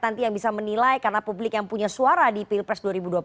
nanti yang bisa menilai karena publik yang punya suara di pilpres dua ribu dua puluh empat